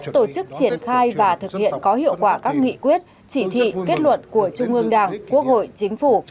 tổ chức triển khai và thực hiện có hiệu quả các nghị quyết chỉ thị kết luận của trung ương đảng quốc hội chính phủ